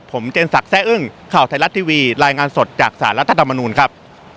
ผมเจนศักดิ์แซ่อึ้งข่าวไทยรัฐทีวีรายงานสดจากสารรัฐธรรมนูลครับ